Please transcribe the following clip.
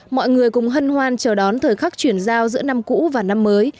mọi người cùng hân hoan chờ đón thời khắc chuyển giao giữa năm cũ và năm mới